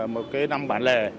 một năm bản lề